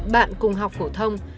bạn cùng học phổ thông